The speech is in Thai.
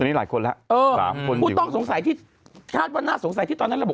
คุณต้องสงสัยที่ถ้าว่าน่าสงสัยที่ตอนนั้น